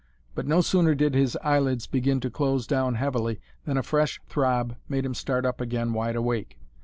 But no sooner did his eyelids begin to close down heavily than a fresh throb made him start up again wide awake.